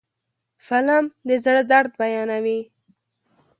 فلم د زړه درد بیانوي